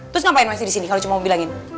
terus ngapain masih disini kalau cuma mau bilangin